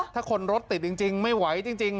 ถ้าคนรถติดจริงไม่ไหวจริง